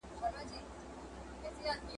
د دوی ترمنځ کرښه راښکل ګران دي.